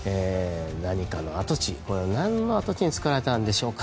何かの跡地、何の跡地に作られたんでしょうか？